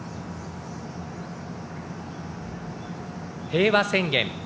平和宣言。